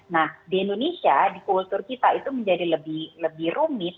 nah di indonesia di kultur kita itu menjadi lebih rumit